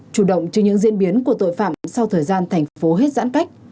chủ động trước những diễn biến của tội phạm sau thời gian thành phố hết giãn cách